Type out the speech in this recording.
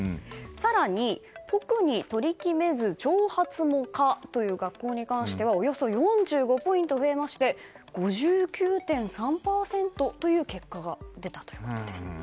更に、特に取り決めず長髪も可という学校に関してはおよそ４４ポイント増えまして５９．３％という結果が出たということです。